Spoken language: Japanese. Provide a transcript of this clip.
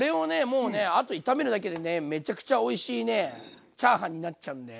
もうあと炒めるだけでめちゃくちゃおいしいチャーハンになっちゃうんで。